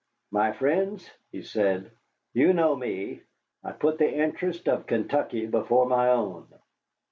"My friends," he said, "you know me. I put the interests of Kentucky before my own.